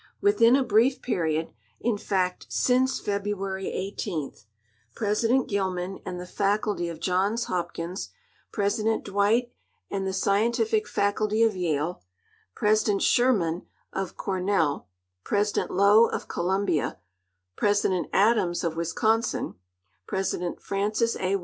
Within a brief period — in fact, since February 18, President Gilman and the faculty of Johns Hopkins, President Dwight and the scientific faculty of Yale, President Soliurman of Cornell, President Low of Columbia, President Adams of Wisconsin, President Francis A.